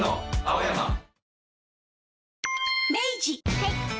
はい。